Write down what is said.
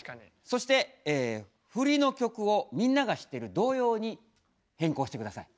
そしてフリの曲をみんなが知ってる童謡に変更して下さい。